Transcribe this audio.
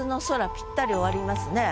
ぴったり終わりますね。